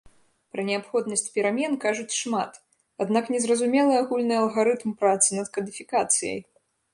Пра неабходнасць перамен кажуць шмат, аднак не зразумелы агульны алгарытм працы над кадыфікацыяй.